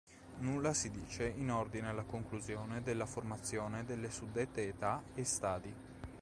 Nulla si dice in ordine alla conclusione della formazione delle suddette età e stadi.